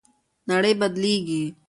نړۍ بدلیږي.